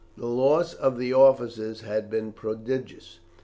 The loss of the officers had been prodigious.